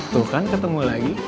tuh kan ketemu lagi